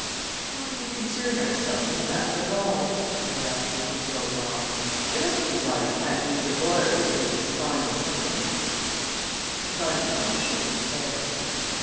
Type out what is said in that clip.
"Why do we concern ourselves in the matter at all?" I asked as we drove off. "I don't see why we can't leave the lawyers to do this final settlement." Mr. Bundercombe shook his head.